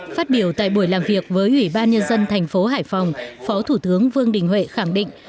phát biểu tại buổi làm việc với ủy ban nhân dân thành phố hải phòng phó thủ tướng vương đình huệ khẳng định